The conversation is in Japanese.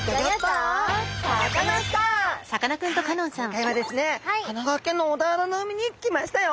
さあ今回はですね神奈川県の小田原の海に来ましたよ！